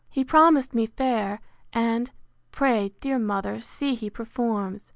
He promised me fair; and, pray, dear mother, see he performs.